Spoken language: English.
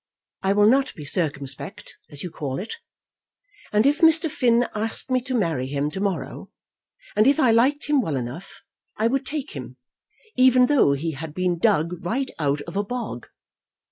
I will not be circumspect, as you call it. And if Mr. Finn asked me to marry him to morrow, and if I liked him well enough, I would take him, even though he had been dug right out of a bog.